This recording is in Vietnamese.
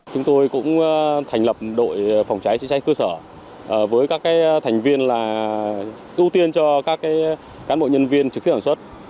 chúng tôi cũng thành lập đội phòng cháy chữa cháy cơ sở với các thành viên là ưu tiên cho các cán bộ nhân viên trực tiếp sản xuất